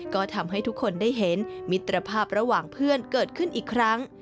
ก็ทำให้ทุกคนได้เห็นมิตรภาพระหว่างเพื่อนเกิดขึ้นอีกครั้ง